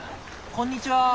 こんにちは。